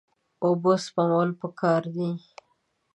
اوبه سپمول پکار دي.